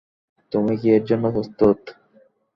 তুমি কি এর জন্য প্রস্তুত?